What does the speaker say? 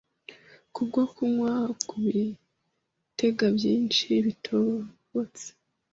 kubwo kunywa ku bitega by’isi bitobotse,